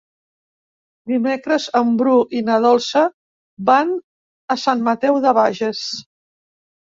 Dimecres en Bru i na Dolça van a Sant Mateu de Bages.